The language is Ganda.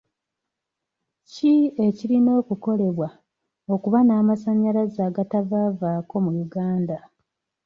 Ki ekirina okukolebwa okuba n'amasannyalaze agatavaavaako mu Uganda?